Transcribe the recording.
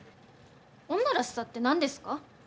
女らしさって何ですか？